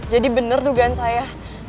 jadi bener dugaan saya